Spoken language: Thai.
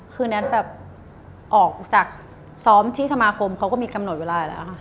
คือแน็ตแบบออกจากซ้อมที่สมาคมเขาก็มีกำหนดเวลาแล้วค่ะ